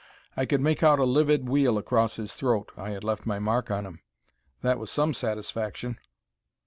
I could make out a livid weal across his throat. I had left my mark on him. That was some satisfaction.